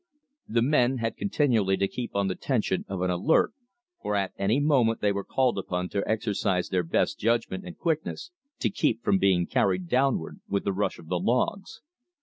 The men had continually to keep on the tension of an alert, for at any moment they were called upon to exercise their best judgment and quickness to keep from being carried downward with the rush of the logs.